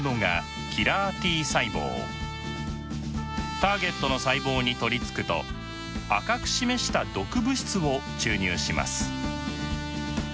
ターゲットの細胞に取りつくと赤く示した毒物質を注入します。